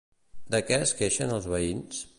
De què es queixen els veïns?